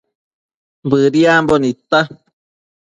Bëdiambo nidta